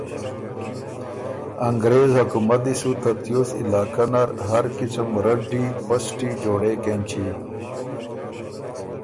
انګرېز حکومت دی سو ترتوس علاقه نر هر قسم رډی، پسټی جوړېک اېنچی